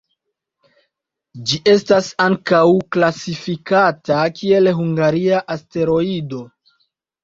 Ĝi estas ankaŭ klasifikata kiel hungaria asteroido.